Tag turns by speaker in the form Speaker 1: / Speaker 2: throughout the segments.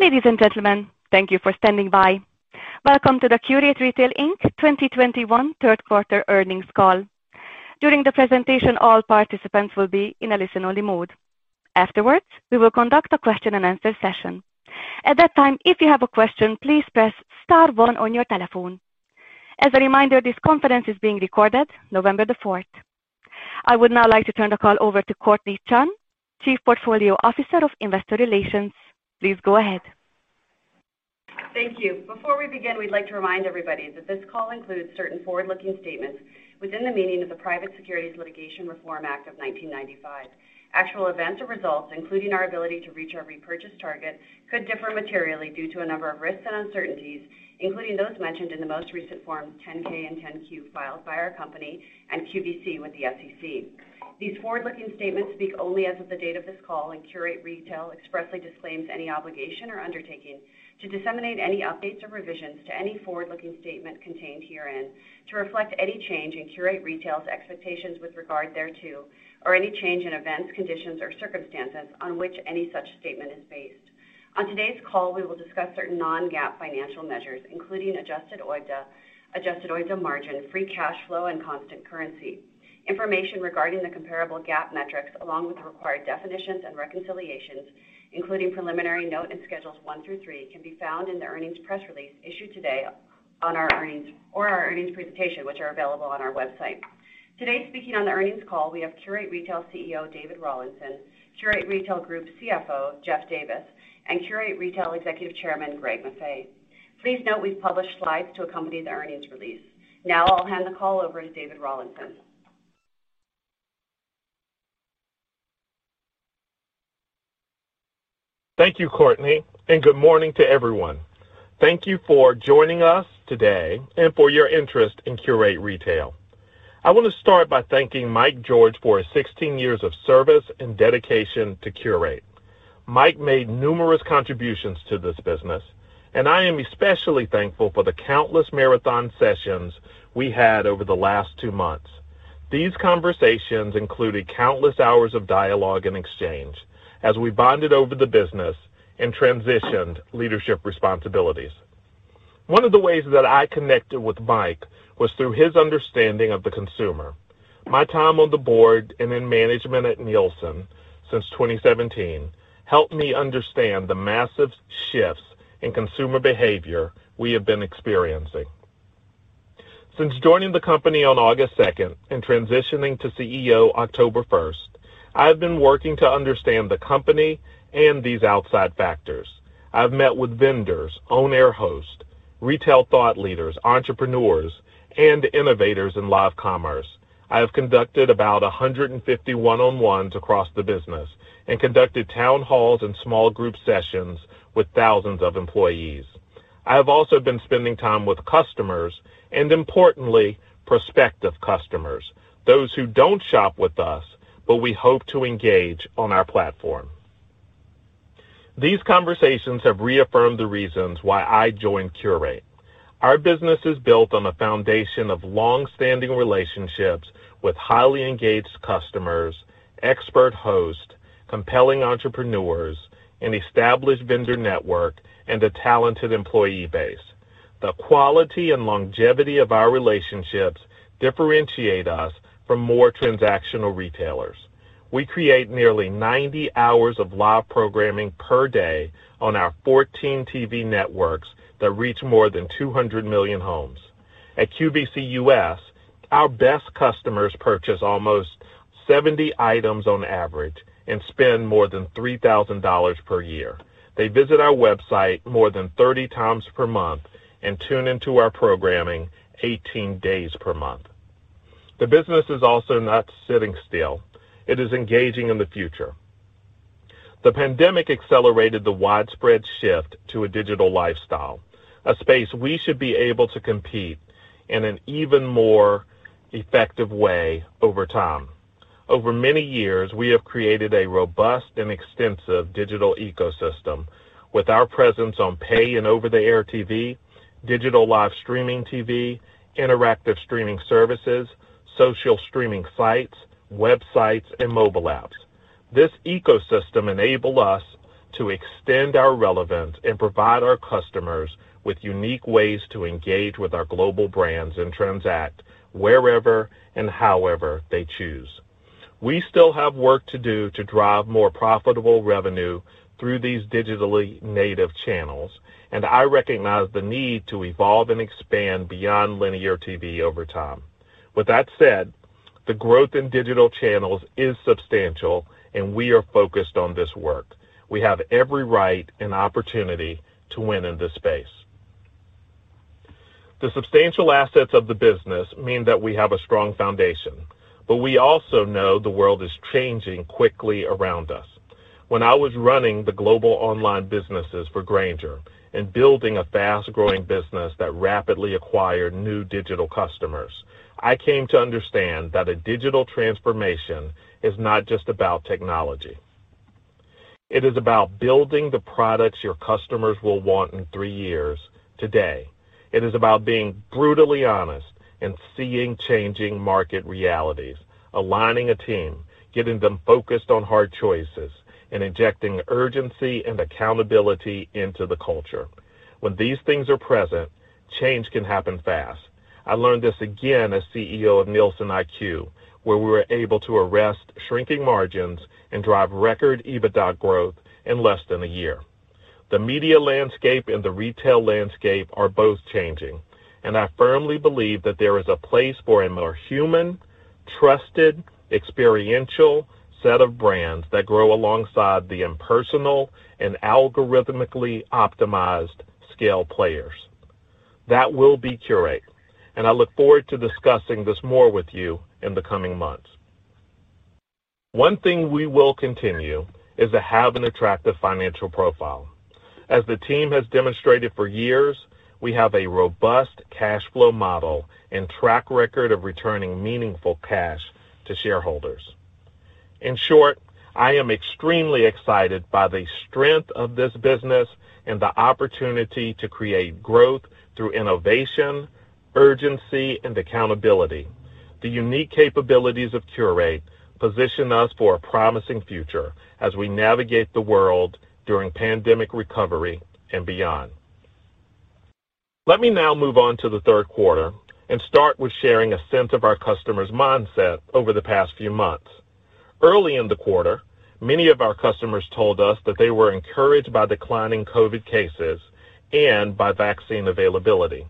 Speaker 1: Ladies and gentlemen, thank you for standing by. Welcome to the Qurate Retail, Inc. 2021 Q3 Earnings Call. During the presentation, all participants will be in a listen-only mode. Afterwards, we will conduct a question-and-answer session. At that time, if you have a question, please press star one on your telephone. As a reminder, this conference is being recorded 4 November. I would now like to turn the call over to Courtnee Chun, Chief Portfolio Officer of Investor Relations. Please go ahead.
Speaker 2: Thank you. Before we begin, we'd like to remind everybody that this call includes certain forward-looking statements within the meaning of the Private Securities Litigation Reform Act of 1995. Actual events or results, including our ability to reach our repurchase target, could differ materially due to a number of risks and uncertainties, including those mentioned in the most recent Form 10-K and 10-Q filed by our company and QVC with the SEC. These forward-looking statements speak only as of the date of this call, and Qurate Retail expressly disclaims any obligation or undertaking to disseminate any updates or revisions to any forward-looking statement contained herein, to reflect any change in Qurate Retail's expectations with regard thereto, or any change in events, conditions, or circumstances on which any such statement is based. On today's call, we will discuss certain non-GAAP financial measures, including Adjusted OIBDA, Adjusted OIBDA margin, free cash flow, and constant currency. Information regarding the comparable GAAP metrics, along with the required definitions and reconciliations, including preliminary note and schedules one through three, can be found in the earnings press release issued today on our earnings presentation, which are available on our website. Today, speaking on the earnings call, we have Qurate Retail CEO David Rawlinson, Qurate Retail Group CFO Jeff Davis, and Qurate Retail Executive Chairman Greg Maffei. Please note we've published slides to accompany the earnings release. Now I'll hand the call over to David Rawlinson.
Speaker 3: Thank you, Courtney, and good morning to everyone. Thank you for joining us today and for your interest in Qurate Retail. I want to start by thanking Mike George for his 16 years of service and dedication to Qurate. Mike made numerous contributions to this business, and I am especially thankful for the countless marathon sessions we had over the last two months. These conversations included countless hours of dialogue and exchange as we bonded over the business and transitioned leadership responsibilities. One of the ways that I connected with Mike was through his understanding of the consumer. My time on the board and in management at Nielsen since 2017 helped me understand the massive shifts in consumer behavior we have been experiencing. Since joining the company on August 2 and transitioning to CEO October 1, I have been working to understand the company and these outside factors. I've met with vendors, on-air hosts, retail thought leaders, entrepreneurs, and innovators in live commerce. I have conducted about 150 one-on-ones across the business and conducted town halls and small group sessions with thousands of employees. I have also been spending time with customers and, importantly, prospective customers, those who don't shop with us, but we hope to engage on our platform. These conversations have reaffirmed the reasons why I joined Qurate. Our business is built on a foundation of long-standing relationships with highly engaged customers, expert hosts, compelling entrepreneurs, an established vendor network, and a talented employee base. The quality and longevity of our relationships differentiate us from more transactional retailers. We create nearly 90 hours of live programming per day on our 14 TV networks that reach more than 200 million homes. At QVC U.S., our best customers purchase almost 70 items on average and spend more than $3,000 per year. They visit our website more than 30x per month and tune into our programming 18 days per month. The business is also not sitting still. It is engaging in the future. The pandemic accelerated the widespread shift to a digital lifestyle, a space we should be able to compete in an even more effective way over time. Over many years, we have created a robust and extensive digital ecosystem with our presence on pay and over-the-air TV, digital live streaming TV, interactive streaming services, social streaming sites, websites, and mobile apps. This ecosystem enables us to extend our relevance and provide our customers with unique ways to engage with our global brands and transact wherever and however they choose. We still have work to do to drive more profitable revenue through these digitally native channels, and I recognize the need to evolve and expand beyond linear TV over time. With that said, the growth in digital channels is substantial, and we are focused on this work. We have every right and opportunity to win in this space. The substantial assets of the business mean that we have a strong foundation, but we also know the world is changing quickly around us. When I was running the global online businesses for Grainger and building a fast-growing business that rapidly acquired new digital customers, I came to understand that a digital transformation is not just about technology. It is about building the products your customers will want in three years today. It is about being brutally honest and seeing changing market realities, aligning a team, getting them focused on hard choices, and injecting urgency and accountability into the culture. When these things are present, change can happen fast. I learned this again as CEO of NielsenIQ, where we were able to arrest shrinking margins and drive record EBITDA growth in less than a year. The media landscape and the retail landscape are both changing, and I firmly believe that there is a place for a more human, trusted, experiential set of brands that grow alongside the impersonal and algorithmically optimized scale players. That will be Qurate, and I look forward to discussing this more with you in the coming months. One thing we will continue is to have an attractive financial profile. As the team has demonstrated for years, we have a robust cash flow model and track record of returning meaningful cash to shareholders. In short, I am extremely excited by the strength of this business and the opportunity to create growth through innovation, urgency, and accountability. The unique capabilities of Qurate position us for a promising future as we navigate the world during pandemic recovery and beyond. Let me now move on to Q3 and start with sharing a sense of our customers' mindset over the past few months. Early in the quarter, many of our customers told us that they were encouraged by declining COVID cases and by vaccine availability.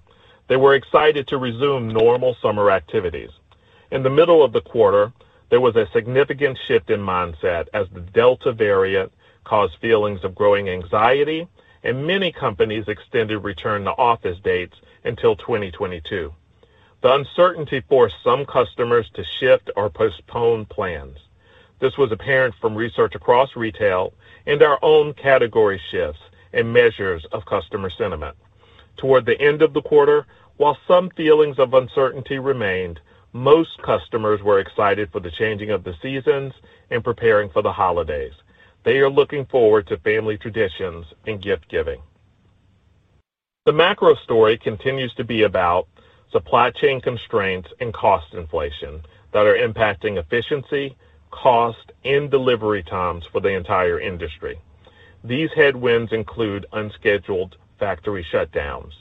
Speaker 3: They were excited to resume normal summer activities. In the middle of the quarter, there was a significant shift in mindset as the Delta variant caused feelings of growing anxiety, and many companies extended return-to-office dates until 2022. The uncertainty forced some customers to shift or postpone plans. This was apparent from research across retail and our own category shifts and measures of customer sentiment. Toward the end of the quarter, while some feelings of uncertainty remained, most customers were excited for the changing of the seasons and preparing for the holidays. They are looking forward to family traditions and gift-giving. The macro story continues to be about supply chain constraints and cost inflation that are impacting efficiency, cost, and delivery times for the entire industry. These headwinds include unscheduled factory shutdowns.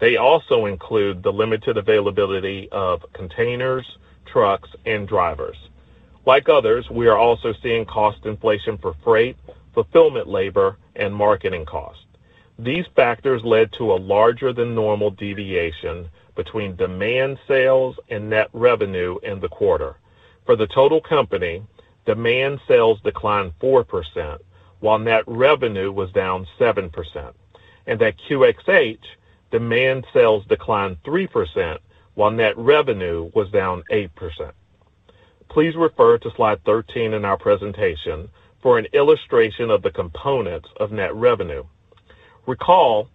Speaker 3: They also include the limited availability of containers, trucks, and drivers. Like others, we are also seeing cost inflation for freight, fulfillment labor, and marketing costs. These factors led to a larger than normal deviation between demand sales and net revenue in the quarter. For the total company, demand sales declined 4%, while net revenue was down 7%. At QxH, demand sales declined 3%, while net revenue was down 8%. Please refer to slide 13 in our presentation for an illustration of the components of net revenue. Recall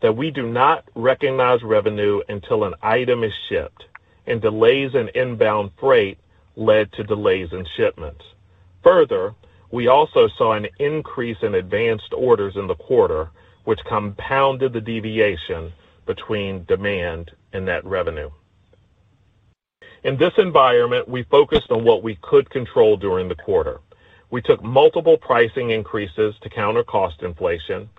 Speaker 3: that we do not recognize revenue until an item is shipped, and delays in inbound freight led to delays in shipments. Further, we also saw an increase in advanced orders in the quarter, which compounded the deviation between demand and net revenue. In this environment, we focused on what we could control during the quarter. We took multiple pricing increases to counter cost inflation,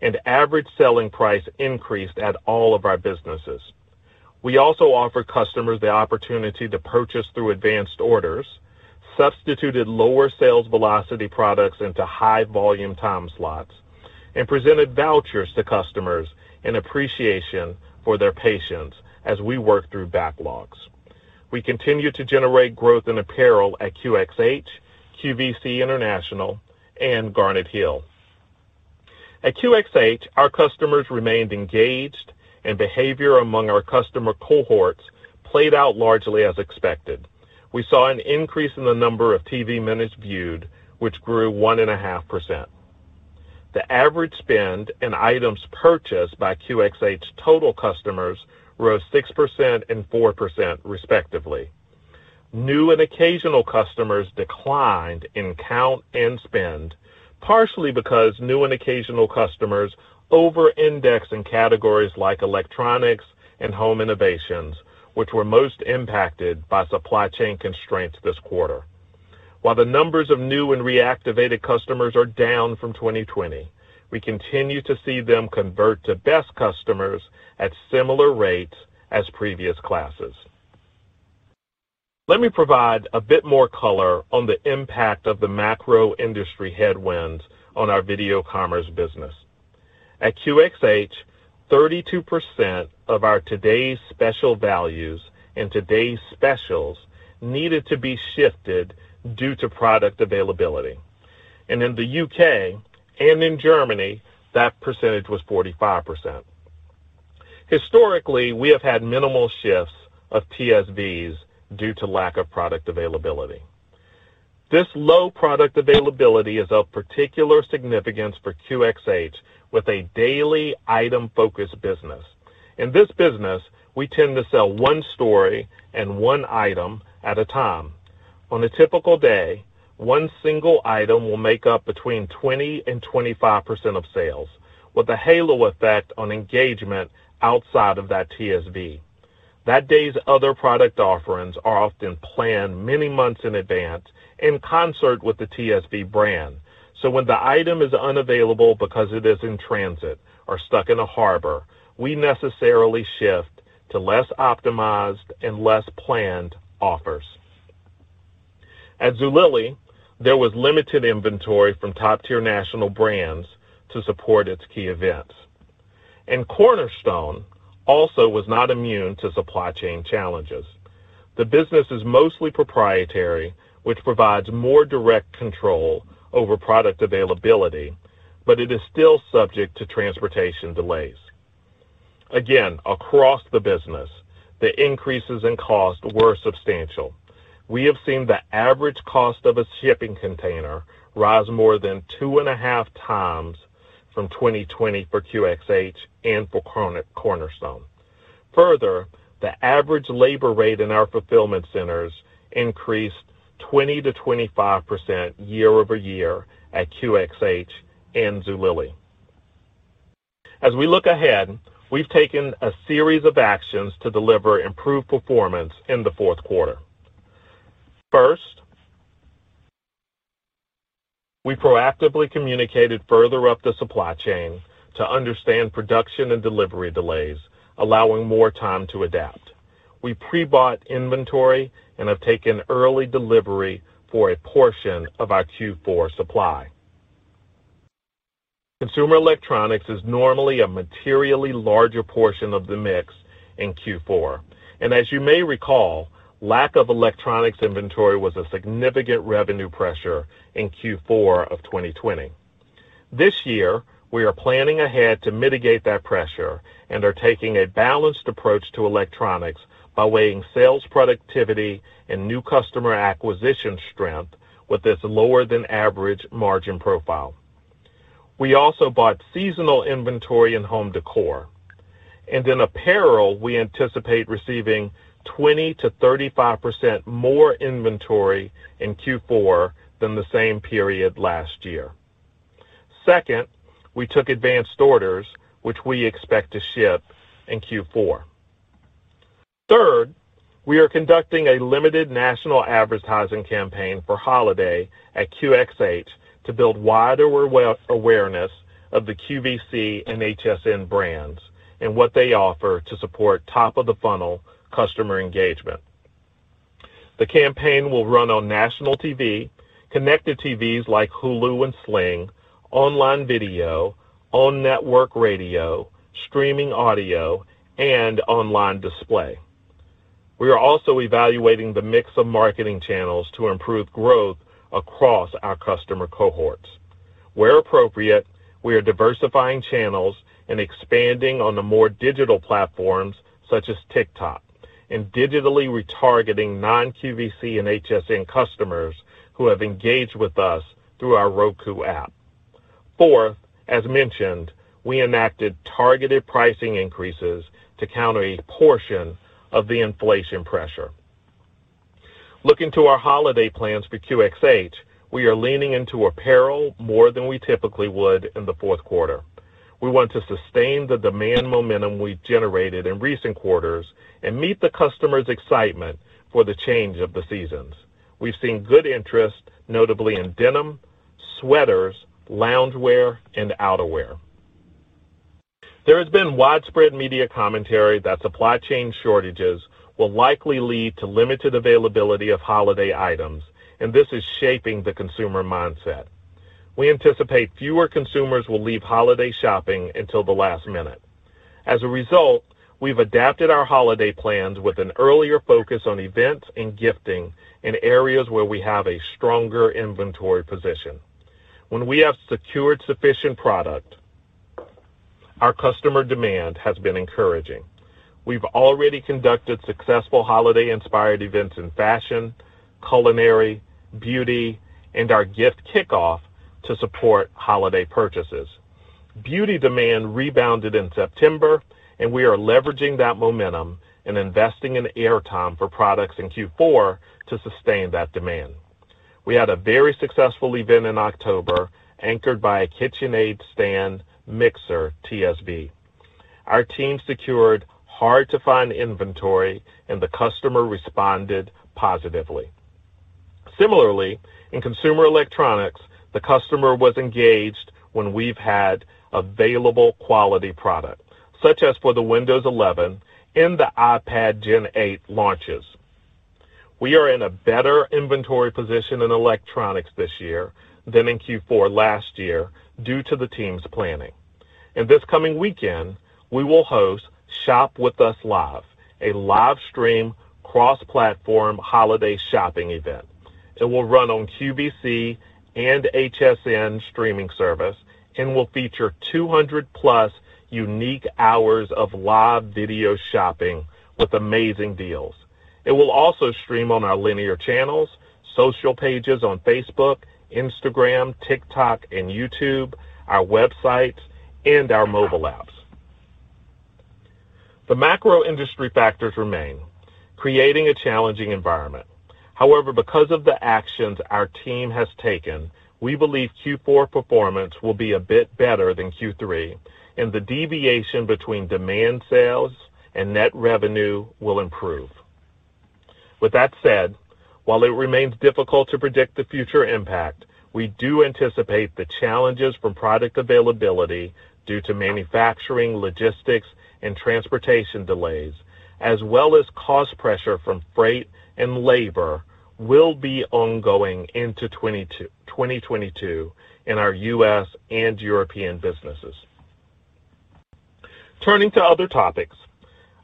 Speaker 3: and average selling price increased at all of our businesses. We also offered customers the opportunity to purchase through advanced orders, substituted lower sales velocity products into high-volume time slots, and presented vouchers to customers in appreciation for their patience as we worked through backlogs. We continued to generate growth in apparel at QxH, QVC International, and Garnet Hill. At QxH, our customers remained engaged, and behavior among our customer cohorts played out largely as expected. We saw an increase in the number of TV minutes viewed, which grew 1.5%. The average spend and items purchased by QxH total customers rose 6% and 4%, respectively. New and occasional customers declined in count and spend, partially because new and occasional customers over-indexed in categories like electronics and home innovations, which were most impacted by supply chain constraints this quarter. While the numbers of new and reactivated customers are down from 2020, we continue to see them convert to best customers at similar rates as previous classes. Let me provide a bit more color on the impact of the macro industry headwinds on our video commerce business. At QxH, 32% of our Today's Special Values and Today's Specials needed to be shifted due to product availability. In the U.K. and in Germany, that percentage was 45%. Historically, we have had minimal shifts of TSVs due to lack of product availability. This low product availability is of particular significance for QxH with a daily item-focused business. In this business, we tend to sell one story and one item at a time. On a typical day, one single item will make up between 20%-25% of sales with a halo effect on engagement outside of that TSV. That day's other product offerings are often planned many months in advance in concert with the TSV brand. When the item is unavailable because it is in transit or stuck in a harbor, we necessarily shift to less optimized and less planned offers. At Zulily, there was limited inventory from top-tier national brands to support its key events. Cornerstone also was not immune to supply chain challenges. The business is mostly proprietary, which provides more direct control over product availability, but it is still subject to transportation delays. Again, across the business, the increases in cost were substantial. We have seen the average cost of a shipping container rise more than 2.5x from 2020 for QxH and for Cornerstone. Further, the average labor rate in our fulfillment centers increased 20%-25% year-over-year at QxH and Zulily. As we look ahead, we've taken a series of actions to deliver improved performance in Q4. First, we proactively communicated further up the supply chain to understand production and delivery delays, allowing more time to adapt. We pre-bought inventory and have taken early delivery for a portion of our Q4 supply. Consumer electronics is normally a materially larger portion of the mix in Q4, and as you may recall, lack of electronics inventory was a significant revenue pressure in Q4 of 2020. This year, we are planning ahead to mitigate that pressure and are taking a balanced approach to electronics by weighing sales, productivity, and new customer acquisition strength with this lower than average margin profile. We also bought seasonal inventory and home decor. In apparel, we anticipate receiving 20%-35% more inventory in Q4 than the same period last year. Second, we took advanced orders, which we expect to ship in Q4. Third, we are conducting a limited national advertising campaign for holiday at QxH to build wider awareness of the QVC and HSN brands and what they offer to support top of the funnel customer engagement. The campaign will run on national TV, connected TVs like Hulu and Sling, online video, on network radio, streaming audio, and online display. We are also evaluating the mix of marketing channels to improve growth across our customer cohorts. Where appropriate, we are diversifying channels and expanding on the more digital platforms such as TikTok and digitally retargeting non-QVC and HSN customers who have engaged with us through our Roku app. Fourth, as mentioned, we enacted targeted pricing increases to counter a portion of the inflation pressure. Looking to our holiday plans for QxH, we are leaning into apparel more than we typically would in the fourth quarter. We want to sustain the demand momentum we've generated in recent quarters and meet the customers' excitement for the change of the seasons. We've seen good interest, notably in denim, sweaters, loungewear, and outerwear. There has been widespread media commentary that supply chain shortages will likely lead to limited availability of holiday items, and this is shaping the consumer mindset. We anticipate fewer consumers will leave holiday shopping until the last minute. As a result, we've adapted our holiday plans with an earlier focus on events and gifting in areas where we have a stronger inventory position. When we have secured sufficient product, our customer demand has been encouraging. We've already conducted successful holiday-inspired events in fashion, culinary, beauty, and our gift kickoff to support holiday purchases. Beauty demand rebounded in September, and we are leveraging that momentum and investing in airtime for products in Q4 to sustain that demand. We had a very successful event in October, anchored by a KitchenAid stand mixer TSV. Our team secured hard-to-find inventory, and the customer responded positively. Similarly, in consumer electronics, the customer was engaged when we've had available quality product, such as for the Windows 11 and the iPad 8th generation launches. We are in a better inventory position in electronics this year than in Q4 last year due to the team's planning. This coming weekend, we will host Shop With Us Live, a live stream cross-platform holiday shopping event. It will run on QVC and HSN streaming service and will feature 200+ unique hours of live video shopping with amazing deals. It will also stream on our linear channels, social pages on Facebook, Instagram, TikTok, and YouTube, our websites, and our mobile apps. The macro industry factors remain, creating a challenging environment. However, because of the actions our team has taken, we believe Q4 performance will be a bit better than Q3 and the deviation between demand sales and net revenue will improve. With that said, while it remains difficult to predict the future impact, we do anticipate the challenges from product availability due to manufacturing, logistics and transportation delays, as well as cost pressure from freight and labor, will be ongoing into 2022 in our U.S. and European businesses. Turning to other topics,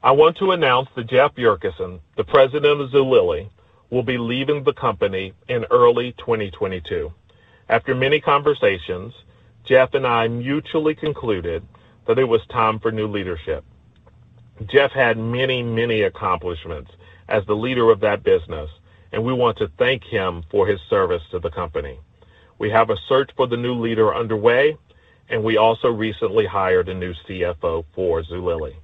Speaker 3: I want to announce that Jeff Yurcisin, the President of Zulily, will be leaving the company in early 2022. After many conversations, Jeff and I mutually concluded that it was time for new leadership. Jeff had many, many accomplishments as the leader of that business, and we want to thank him for his service to the company. We have a search for the new leader underway, and we also recently hired a new CFO for Zulily.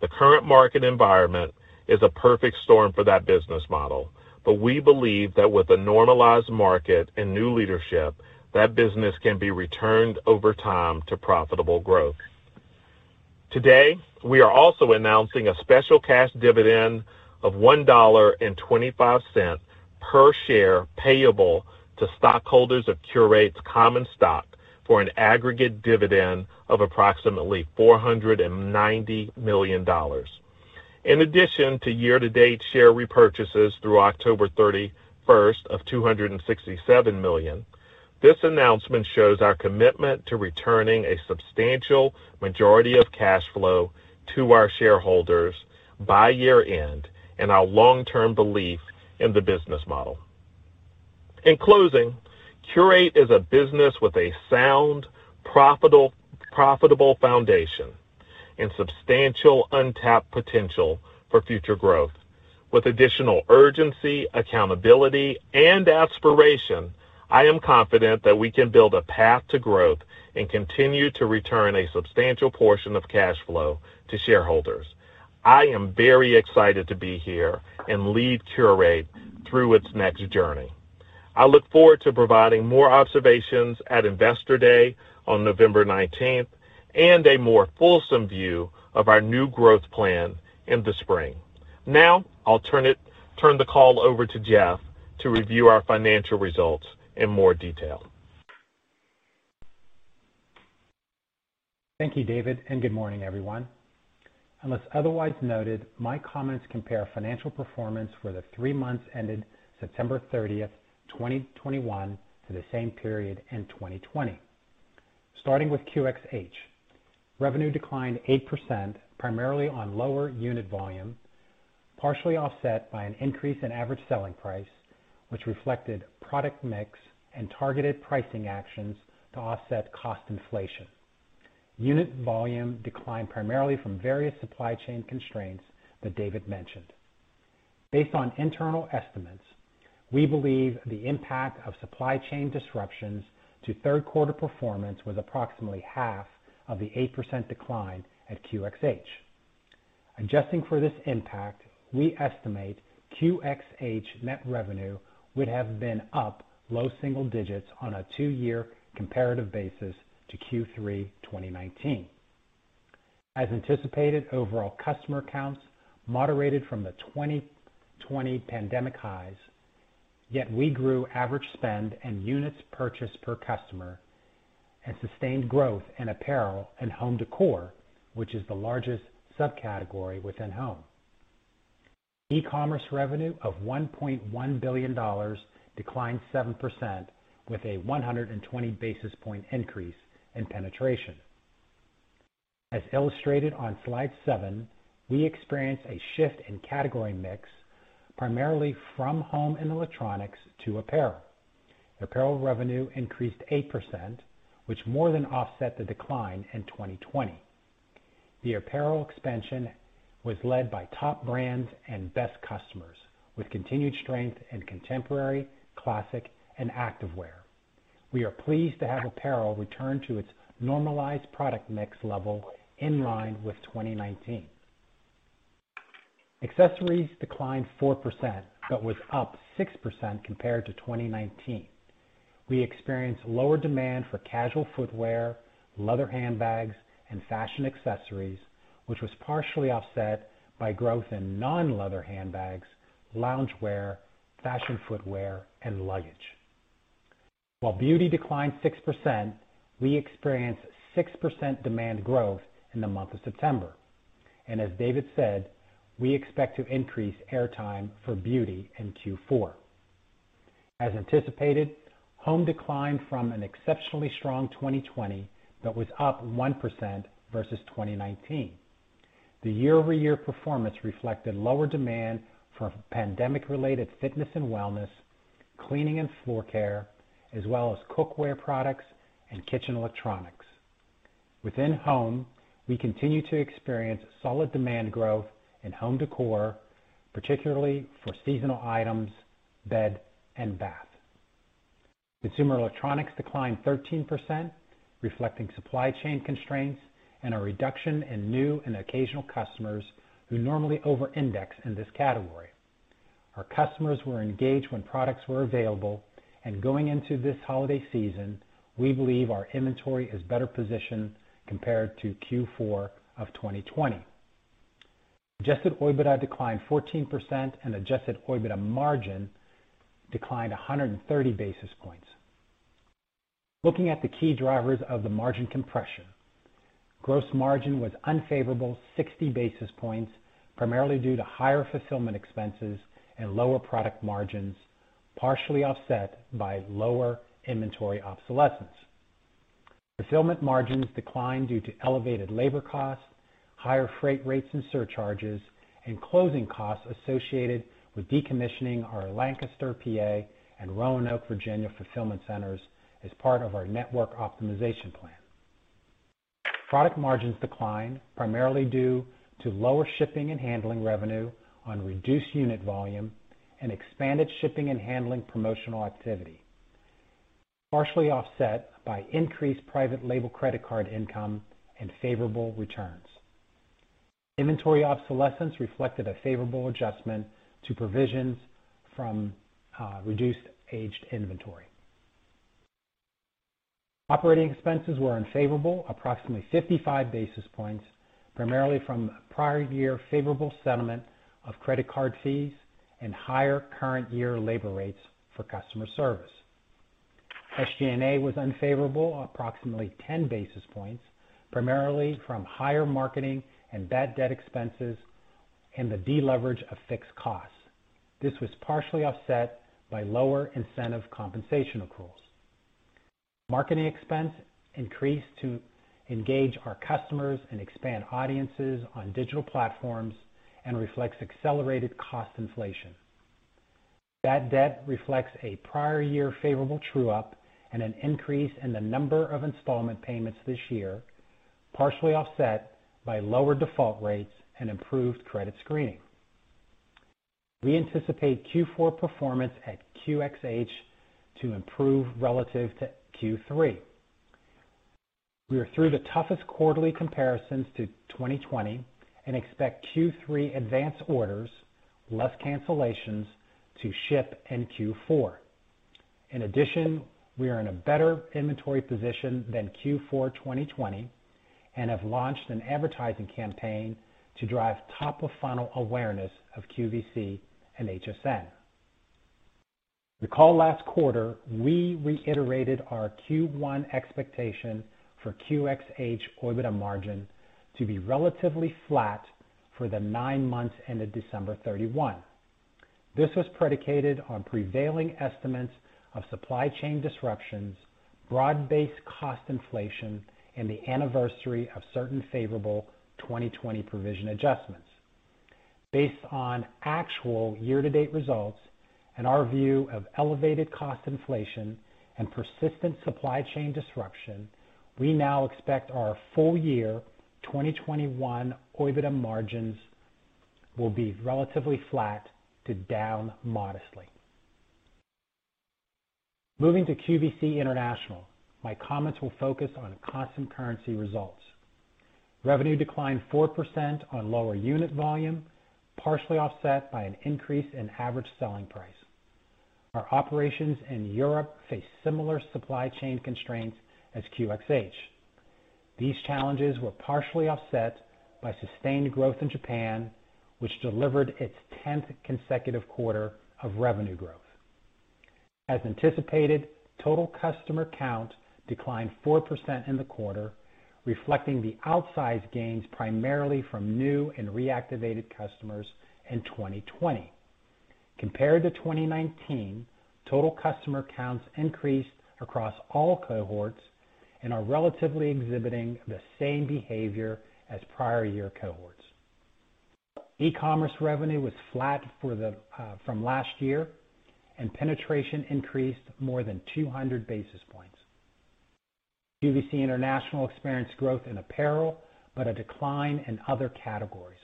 Speaker 3: The current market environment is a perfect storm for that business model, but we believe that with a normalized market and new leadership, that business can be returned over time to profitable growth. Today, we are also announcing a special cash dividend of $1.25 per share payable to stockholders of Qurate's common stock for an aggregate dividend of approximately $490 million. In addition to year-to-date share repurchases through October 31 of $267 million, this announcement shows our commitment to returning a substantial majority of cash flow to our shareholders by year-end and our long-term belief in the business model. In closing, Qurate is a business with a sound, profitable foundation and substantial untapped potential for future growth. With additional urgency, accountability and aspiration, I am confident that we can build a path to growth and continue to return a substantial portion of cash flow to shareholders. I am very excited to be here and lead Qurate through its next journey. I look forward to providing more observations at Investor Day on November 19 and a more fulsome view of our new growth plan in the spring. Now I'll turn the call over to Jeff to review our financial results in more detail.
Speaker 4: Thank you, David, and good morning, everyone. Unless otherwise noted, my comments compare financial performance for the three months ended September 30, 2021 to the same period in 2020. Starting with QxH. Revenue declined 8% primarily on lower unit volume, partially offset by an increase in average selling price, which reflected product mix and targeted pricing actions to offset cost inflation. Unit volume declined primarily from various supply chain constraints that David mentioned. Based on internal estimates, we believe the impact of supply chain disruptions to Q3 performance was approximately half of the 8% decline at QxH. Adjusting for this impact, we estimate QxH net revenue would have been up low single digits on a two-year comparative basis to Q3 2019. As anticipated, overall customer counts moderated from the 2020 pandemic highs. We grew average spend and units purchased per customer and sustained growth in apparel and home decor, which is the largest subcategory within home. E-commerce revenue of $1.1 billion declined 7% with a 120 basis point increase in penetration. As illustrated on slide seven, we experienced a shift in category mix, primarily from home and electronics to apparel. Apparel revenue increased 8%, which more than offset the decline in 2020. The apparel expansion was led by top brands and best customers with continued strength in contemporary, classic and activewear. We are pleased to have apparel return to its normalized product mix level in line with 2019. Accessories declined 4%, but was up 6% compared to 2019. We experienced lower demand for casual footwear, leather handbags and fashion accessories, which was partially offset by growth in non-leather handbags, loungewear, fashion footwear and luggage. While beauty declined 6%, we experienced 6% demand growth in the month of September. As David said, we expect to increase airtime for beauty in Q4. As anticipated, home declined from an exceptionally strong 2020, but was up 1% versus 2019. The year-over-year performance reflected lower demand for pandemic-related fitness and wellness, cleaning and floor care, as well as cookware products and kitchen electronics. Within home, we continue to experience solid demand growth in home decor, particularly for seasonal items, bed and bath. Consumer electronics declined 13%, reflecting supply chain constraints and a reduction in new and occasional customers who normally over-index in this category. Our customers were engaged when products were available, and going into this holiday season, we believe our inventory is better positioned compared to Q4 of 2020. Adjusted OIBDA declined 14% and Adjusted OIBDA margin declined 130 basis points. Looking at the key drivers of the margin compression, gross margin was unfavorable 60 basis points, primarily due to higher fulfillment expenses and lower product margins, partially offset by lower inventory obsolescence. Fulfillment margins declined due to elevated labor costs, higher freight rates and surcharges, and closing costs associated with decommissioning our Lancaster, PA. and Roanoke, Virginia, fulfillment centers as part of our network optimization plan. Product margins declined primarily due to lower shipping and handling revenue on reduced unit volume and expanded shipping and handling promotional activity, partially offset by increased private label credit card income and favorable returns. Inventory obsolescence reflected a favorable adjustment to provisions from reduced aged inventory. Operating expenses were unfavorable approximately 55 basis points, primarily from prior year favorable settlement of credit card fees and higher current year labor rates for customer service. SG&A was unfavorable approximately 10 basis points, primarily from higher marketing and bad debt expenses and the deleverage of fixed costs. This was partially offset by lower incentive compensation accruals. Marketing expense increased to engage our customers and expand audiences on digital platforms and reflects accelerated cost inflation. Bad debt reflects a prior year favorable true up and an increase in the number of installment payments this year, partially offset by lower default rates and improved credit screening. We anticipate Q4 performance at QxH to improve relative to Q3. We are through the toughest quarterly comparisons to 2020 and expect Q3 advance orders, less cancellations to ship in Q4. In addition, we are in a better inventory position than Q4 2020 and have launched an advertising campaign to drive top of funnel awareness of QVC and HSN. Recall last quarter, we reiterated our Q1 expectation for QxH OIBDA margin to be relatively flat for the nine months ended December 31. This was predicated on prevailing estimates of supply chain disruptions, broad-based cost inflation, and the anniversary of certain favorable 2020 provision adjustments. Based on actual year-to-date results and our view of elevated cost inflation and persistent supply chain disruption, we now expect our full year 2021 OIBDA margins will be relatively flat to down modestly. Moving to QVC International, my comments will focus on constant currency results. Revenue declined 4% on lower unit volume, partially offset by an increase in average selling price. Our operations in Europe face similar supply chain constraints as QxH. These challenges were partially offset by sustained growth in Japan, which delivered its 10th consecutive quarter of revenue growth. As anticipated, total customer count declined 4% in the quarter, reflecting the outsized gains primarily from new and reactivated customers in 2020. Compared to 2019, total customer counts increased across all cohorts and are relatively exhibiting the same behavior as prior year cohorts. E-commerce revenue was flat from last year, and penetration increased more than 200 basis points. QVC International experienced growth in apparel, but a decline in other categories.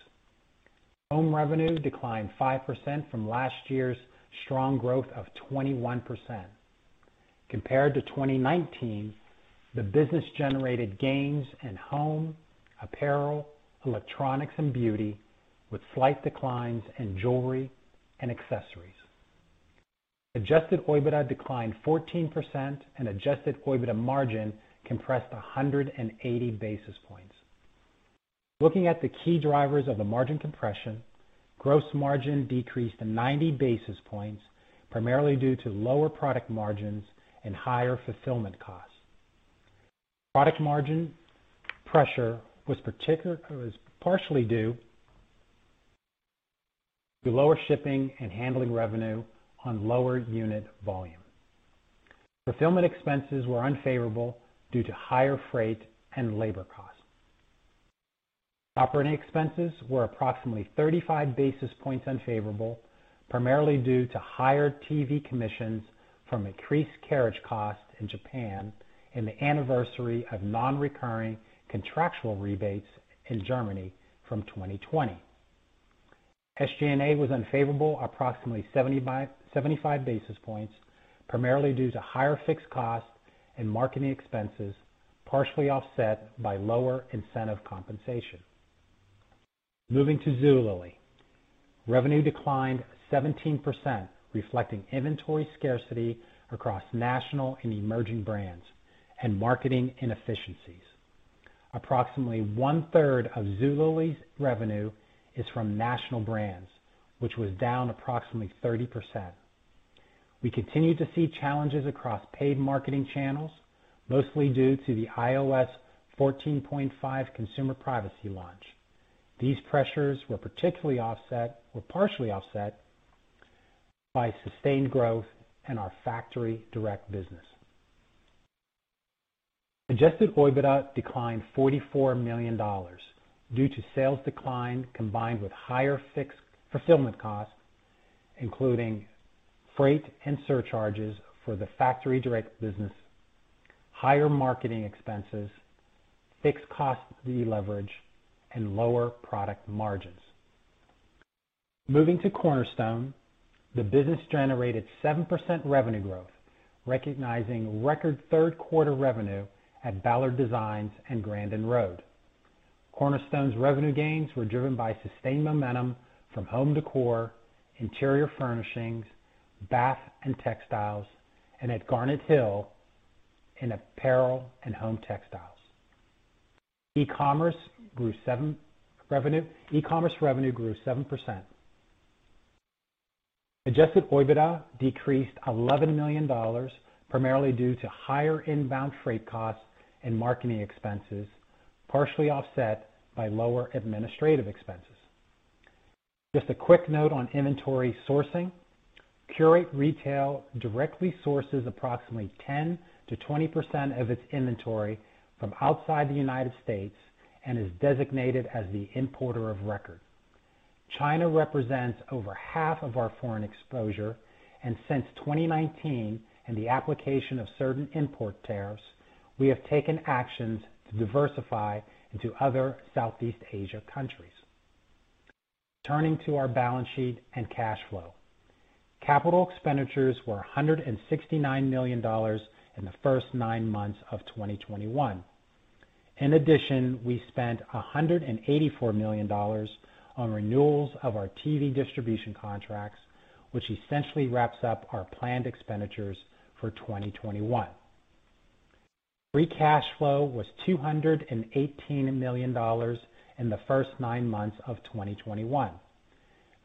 Speaker 4: Home revenue declined 5% from last year's strong growth of 21%. Compared to 2019, the business generated gains in home, apparel, electronics and beauty with slight declines in jewelry and accessories. Adjusted OIBDA declined 14% and Adjusted OIBDA margin compressed 180 basis points. Looking at the key drivers of the margin compression, gross margin decreased 90 basis points, primarily due to lower product margins and higher fulfillment costs. Product margin pressure was partially due to lower shipping and handling revenue on lower unit volume. Fulfillment expenses were unfavorable due to higher freight and labor costs. Operating expenses were approximately 35 basis points unfavorable, primarily due to higher TV commissions from increased carriage costs in Japan and the anniversary of non-recurring contractual rebates in Germany from 2020. SG&A was unfavorable approximately 75 basis points, primarily due to higher fixed costs and marketing expenses, partially offset by lower incentive compensation. Moving to Zulily. Revenue declined 17%, reflecting inventory scarcity across national and emerging brands and marketing inefficiencies. Approximately one-third of Zulily's revenue is from national brands, which was down approximately 30%. We continue to see challenges across paid marketing channels, mostly due to the iOS 14.5 consumer privacy launch. These pressures were particularly offset or partially offset by sustained growth in our factory direct business. Adjusted OIBDA declined $44 million due to sales decline, combined with higher fixed fulfillment costs, including freight and surcharges for the factory direct business, higher marketing expenses, fixed cost deleverage, and lower product margins. Moving to Cornerstone, the business generated 7% revenue growth, recognizing record Q3 revenue at Ballard Designs and Grandin Road. Cornerstone's revenue gains were driven by sustained momentum from home decor, interior furnishings, bath and textiles, and at Garnet Hill in apparel and home textiles. E-commerce revenue grew 7%. Adjusted OIBDA decreased $11 million, primarily due to higher inbound freight costs and marketing expenses, partially offset by lower administrative expenses. Just a quick note on inventory sourcing. Qurate Retail directly sources approximately 10%-20% of its inventory from outside the United States and is designated as the importer of record. China represents over half of our foreign exposure, and since 2019 and the application of certain import tariffs, we have taken actions to diversify into other Southeast Asian countries. Turning to our balance sheet and cash flow. Capital expenditures were $169 million in the first nine months of 2021. In addition, we spent $184 million on renewals of our TV distribution contracts, which essentially wraps up our planned expenditures for 2021. Free cash flow was $218 million in the first nine months of 2021.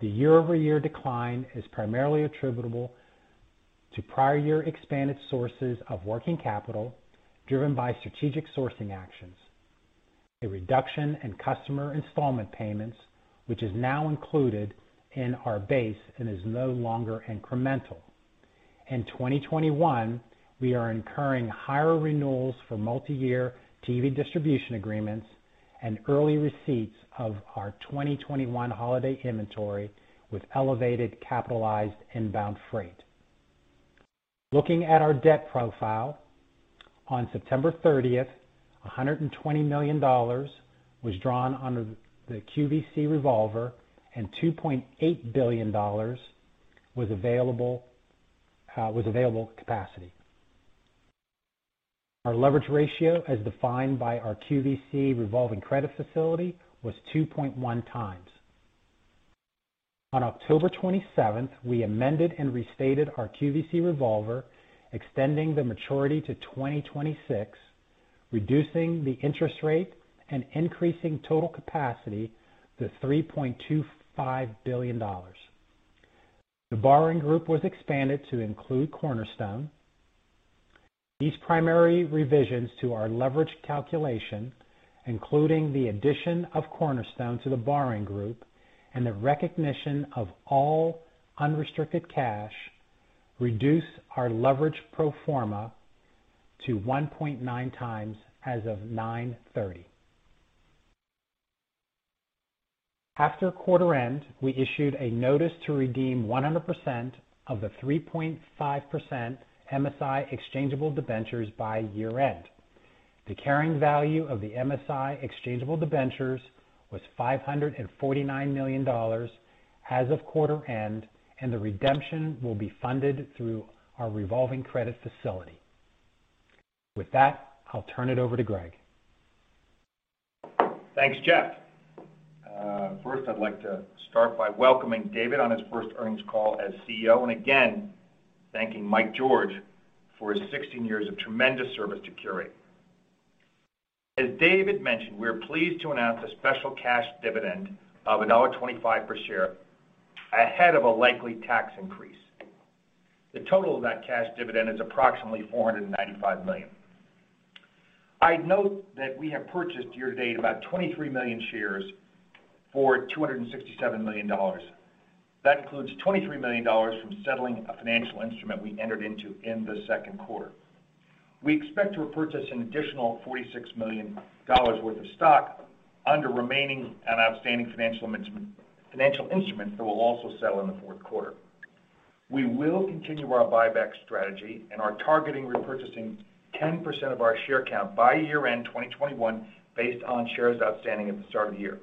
Speaker 4: The year-over-year decline is primarily attributable to prior year expanded sources of working capital, driven by strategic sourcing actions, a reduction in customer installment payments, which is now included in our base and is no longer incremental. In 2021, we are incurring higher renewals for multi-year TV distribution agreements and early receipts of our 2021 holiday inventory with elevated capitalized inbound freight. Looking at our debt profile. On September 30, $120 million was drawn under the QVC revolver and $2.8 billion was available capacity. Our leverage ratio, as defined by our QVC revolving credit facility, was 2.1x. On October 27, we amended and restated our QVC revolver, extending the maturity to 2026, reducing the interest rate and increasing total capacity to $3.25 billion. The borrowing group was expanded to include Cornerstone. These primary revisions to our leverage calculation, including the addition of Cornerstone to the borrowing group and the recognition of all unrestricted cash, reduce our leverage pro forma to 1.9x as of 30 September. After quarter end, we issued a notice to redeem 100% of the 3.5% MSI exchangeable debentures by year-end. The carrying value of the MSI exchangeable debentures was $549 million as of quarter end, and the redemption will be funded through our revolving credit facility. With that, I'll turn it over to Greg.
Speaker 5: Thanks, Jeff. First, I'd like to start by welcoming David on his first earnings call as CEO and again thanking Mike George for his 16 years of tremendous service to Qurate. As David mentioned, we are pleased to announce a special cash dividend of $1.25 per share ahead of a likely tax increase. The total of that cash dividend is approximately $495 million. I'd note that we have purchased year to date about 23 million shares for $267 million. That includes $23 million from settling a financial instrument we entered into in Q2. We expect to purchase an additional $46 million worth of stock under remaining and outstanding financial instrument that will also settle in Q4. We will continue our buyback strategy and are targeting repurchasing 10% of our share count by year-end 2021 based on shares outstanding at the start of the year.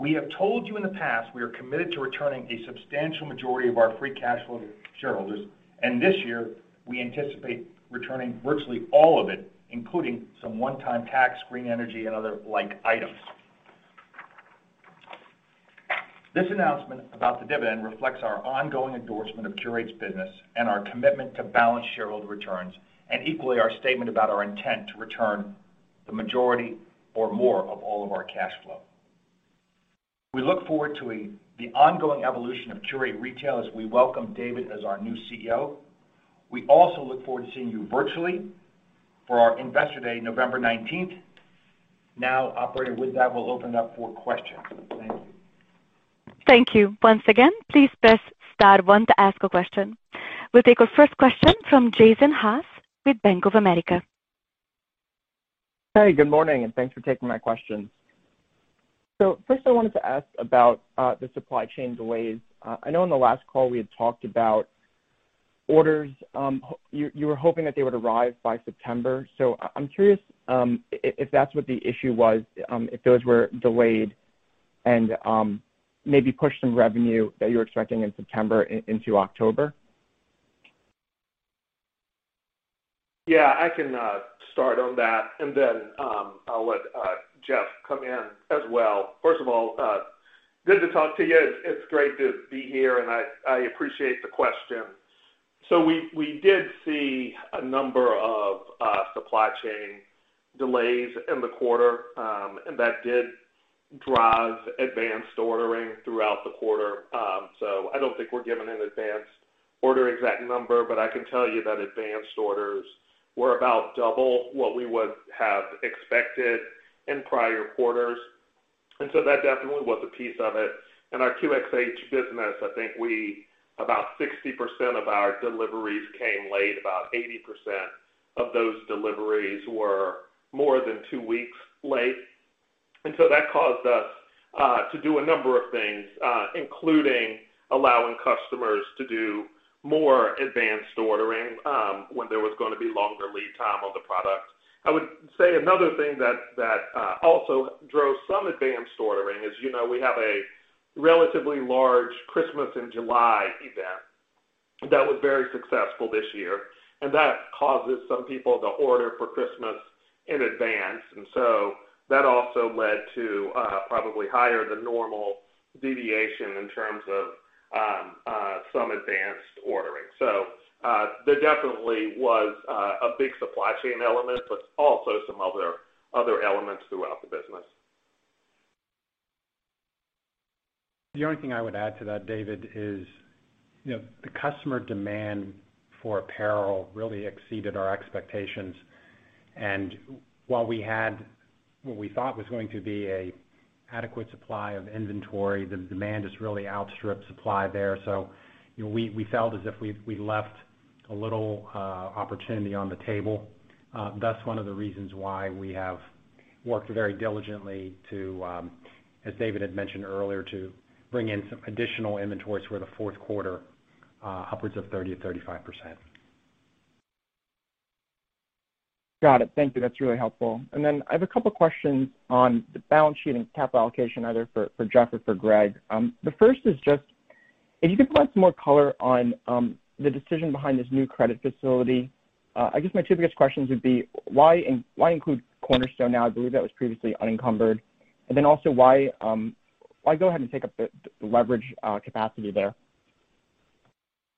Speaker 5: We have told you in the past, we are committed to returning a substantial majority of our free cash flow to shareholders, and this year we anticipate returning virtually all of it, including some one-time tax, green energy and other like items. This announcement about the dividend reflects our ongoing endorsement of Qurate's business and our commitment to balance shareholder returns, and equally our statement about our intent to return the majority or more of all of our cash flow. We look forward to the ongoing evolution of Qurate Retail as we welcome David as our new CEO. We also look forward to seeing you virtually for our Investor Day, November 19. Now, operator, with that, we'll open up for questions. Thank you.
Speaker 1: Thank you. Once again, please press star one to ask a question. We'll take our first question from Jason Haas with Bank of America.
Speaker 6: Hey, good morning, and thanks for taking my questions. First, I wanted to ask about the supply chain delays. I know on the last call we had talked about orders, you were hoping that they would arrive by September. I'm curious if that's what the issue was, if those were delayed and maybe pushed some revenue that you were expecting in September into October.
Speaker 3: Yeah, I can start on that, and then I'll let Jeff come in as well. First of all, good to talk to you. It's great to be here, and I appreciate the question. We did see a number of supply chain delays in the quarter, and that did drive advanced ordering throughout the quarter. I don't think we're giving an advanced order exact number, but I can tell you that advanced orders were about double what we would have expected in prior quarters. That definitely was a piece of it. In our QxH business, I think about 60% of our deliveries came late. About 80% of those deliveries were more than two weeks late. That caused us to do a number of things, including allowing customers to do more advanced ordering, when there was gonna be longer lead time on the product. I would say another thing that also drove some advanced ordering is, you know, we have a relatively large Christmas in July event that was very successful this year, and that causes some people to order for Christmas in advance. That also led to probably higher than normal deviation in terms of some advanced ordering. There definitely was a big supply chain element, but also some other elements throughout the business.
Speaker 4: The only thing I would add to that, David, is, you know, the customer demand for apparel really exceeded our expectations. While we had what we thought was going to be an adequate supply of inventory, the demand just really outstripped supply there. You know, we felt as if we left a little opportunity on the table. That's one of the reasons why we have worked very diligently to, as David had mentioned earlier, to bring in some additional inventory toward Q4, upwards of 30%-35%.
Speaker 6: Got it. Thank you. That's really helpful. I have a couple questions on the balance sheet and capital allocation, either for Jeff or for Greg. The first is just if you could provide some more color on the decision behind this new credit facility. I guess my two biggest questions would be why include Cornerstone now? I believe that was previously unencumbered. Also, why go ahead and take up the leverage capacity there?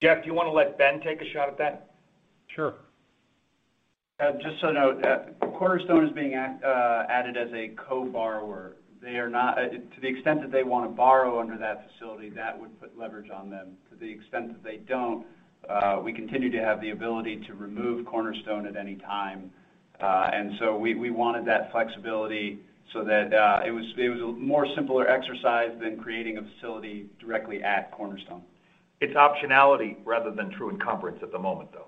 Speaker 5: Jeff, do you wanna let Ben take a shot at that?
Speaker 7: Sure.
Speaker 8: Just so you know, Cornerstone is being added as a co-borrower. They are not. To the extent that they wanna borrow under that facility, that would put leverage on them. To the extent that they don't, we continue to have the ability to remove Cornerstone at any time. We wanted that flexibility so that it was a more simpler exercise than creating a facility directly at Cornerstone.
Speaker 3: It's optionality rather than true encumbrance at the moment, though.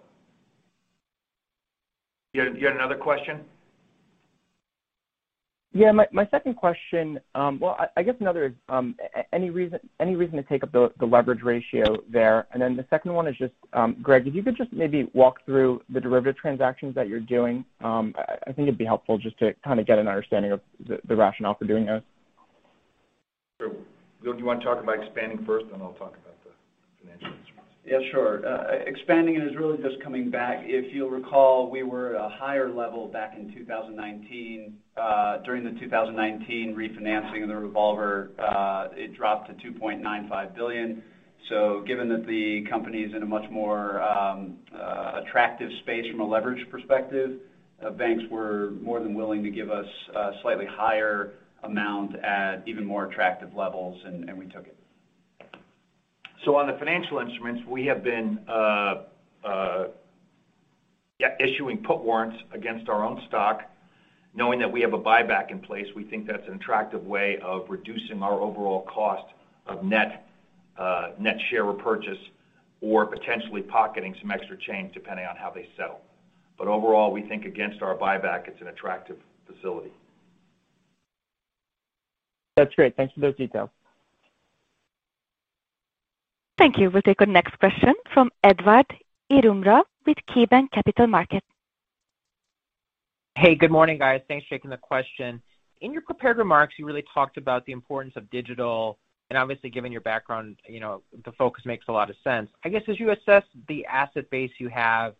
Speaker 3: You had another question?
Speaker 6: Yeah. My second question. Well, I guess any reason to take up the leverage ratio there? The second one is just, Greg, if you could just maybe walk through the derivative transactions that you're doing. I think it'd be helpful just to kinda get an understanding of the rationale for doing those.
Speaker 5: Sure. Well, do you wanna talk about expanding first, then I'll talk about the financial instruments.
Speaker 4: Yeah, sure. Expanding is really just coming back. If you'll recall, we were at a higher level back in 2019. During the 2019 refinancing of the revolver, it dropped to $2.95 billion. Given that the company is in a much more attractive space from a leverage perspective, banks were more than willing to give us a slightly higher amount at even more attractive levels, and we took it.
Speaker 5: On the financial instruments, we have been issuing put warrants against our own stock. Knowing that we have a buyback in place, we think that's an attractive way of reducing our overall cost of net share repurchase or potentially pocketing some extra change depending on how they settle. Overall, we think against our buyback, it's an attractive facility.
Speaker 6: That's great. Thanks for those details.
Speaker 1: Thank you. We'll take our next question from Edward Yruma with KeyBanc Capital Markets.
Speaker 9: Hey, good morning, guys. Thanks for taking the question. In your prepared remarks, you really talked about the importance of digital, and obviously, given your background, you know, the focus makes a lot of sense. I guess, as you assess the asset base you have,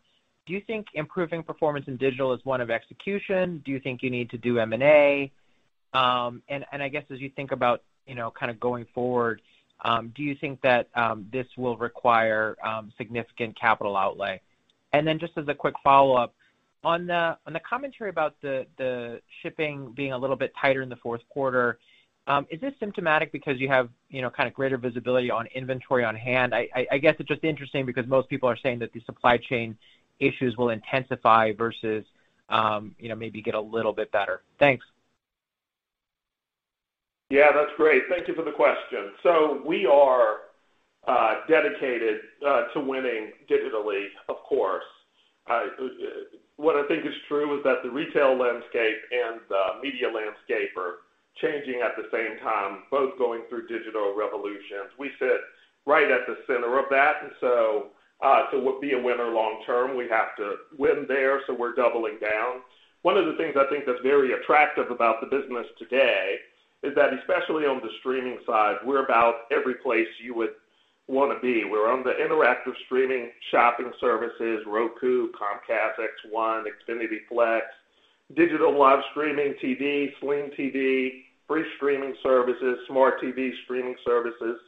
Speaker 9: do you think improving performance in digital is an issue of execution? Do you think you need to do M&A? I guess as you think about, you know, kind of going forward, do you think that this will require significant capital outlay? Just as a quick follow-up, on the commentary about the shipping being a little bit tighter in Q4, is this symptomatic because you have, you know, kind of greater visibility on inventory on hand? I guess it's just interesting because most people are saying that the supply chain issues will intensify versus, you know, maybe get a little bit better. Thanks.
Speaker 5: Yeah, that's great. Thank you for the question. We are dedicated to winning digitally, of course. What I think is true is that the retail landscape and the media landscape are changing at the same time, both going through digital revolutions. We sit right at the center of that. To be a winner long term, we have to win there, so we're doubling down. One of the things I think that's very attractive about the business today is that especially on the streaming side, we're about every place you would wanna be. We're on the interactive streaming shopping services, Roku, Comcast Xfinity Flex, digital live streaming TV, Sling TV, free streaming services, smart TV streaming services,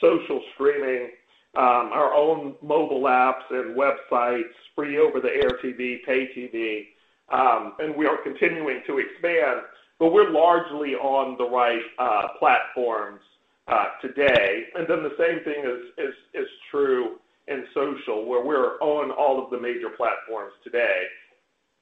Speaker 5: social streaming, our own mobile apps and websites, free over-the-air TV, pay TV, and we are continuing to expand. We're largely on the right platforms today. The same thing is true in social, where we're on all of the major platforms today.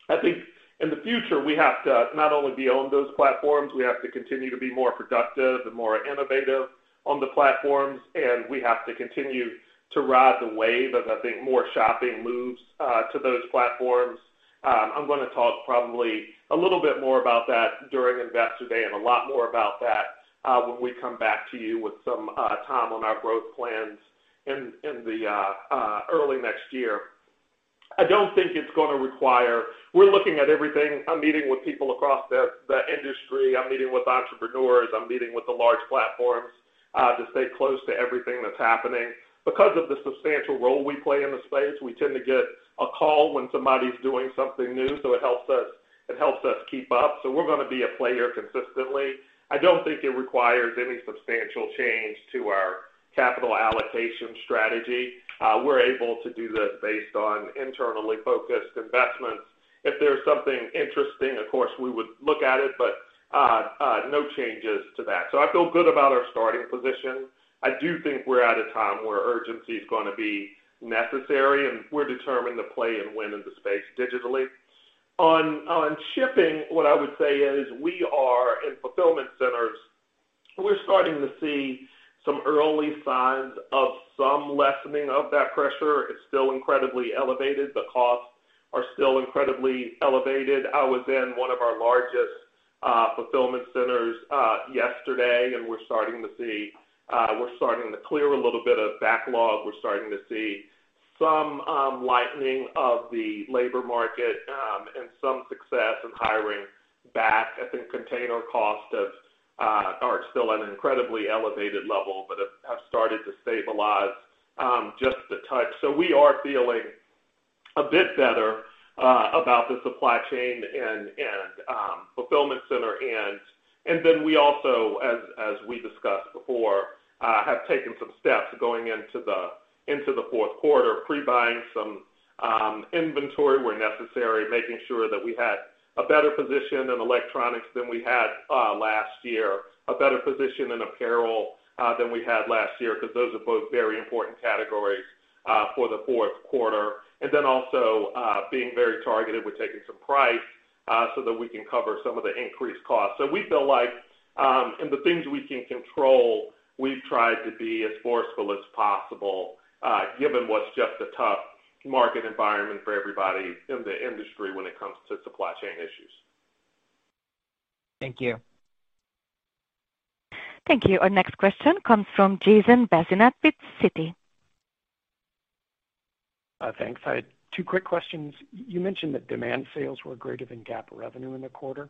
Speaker 5: I think in the future, we have to not only be on those platforms, we have to continue to be more productive and more innovative on the platforms, and we have to continue to ride the wave of, I think, more shopping moves to those platforms. I'm gonna talk probably a little bit more about that during Investor Day and a lot more about that when we come back to you with some time on our growth plans in the early next year. I don't think it's gonna require. We're looking at everything. I'm meeting with people across the industry. I'm meeting with entrepreneurs. I'm meeting with the large platforms to stay close to everything that's happening. Because of the substantial role we play in the space, we tend to get a call when somebody's doing something new, so it helps us, it helps us keep up. We're gonna be a player consistently. I don't think it requires any substantial change to our capital allocation strategy. We're able to do this based on internally focused investments. If there's something interesting, of course, we would look at it, but no changes to that. I feel good about our starting position. I do think we're at a time where urgency is gonna be necessary, and we're determined to play and win in the space digitally. On shipping, what I would say is we are in fulfillment centers. We're starting to see some early signs of some lessening of that pressure. It's still incredibly elevated. The costs are still incredibly elevated. I was in one of our largest fulfillment centers yesterday, and we're starting to clear a little bit of backlog. We're starting to see some lightening of the labor market and some success in hiring back. I think container costs are still at an incredibly elevated level, but have started to stabilize just a touch. We are feeling a bit better about the supply chain and fulfillment center. We also, as we discussed before, have taken some steps going into Q4, pre-buying some inventory where necessary, making sure that we had a better position in electronics than we had last year, a better position in apparel than we had last year, because those are both very important categories for Q4. Also, being very targeted with taking some price so that we can cover some of the increased costs. We feel like, in the things we can control, we've tried to be as forceful as possible, given what's just a tough market environment for everybody in the industry when it comes to supply chain issues.
Speaker 9: Thank you.
Speaker 1: Thank you. Our next question comes from Jason Bazinet with Citi.
Speaker 10: Thanks. I had two quick questions. You mentioned that demand sales were greater than GAAP revenue in the quarter.